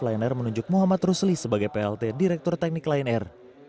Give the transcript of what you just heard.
lion air menunjuk muhammad rusli sebagai plt direktur teknik lion air